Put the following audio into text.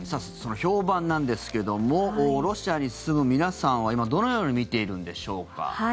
その評判なんですけどもロシアに住む皆さんは今どのように見ているんでしょうか？